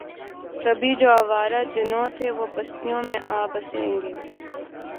کبھی جو آوارۂ جنوں تھے وہ بستیوں میں آ بسیں گے